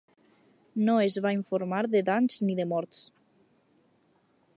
No es va informar de danys ni de morts.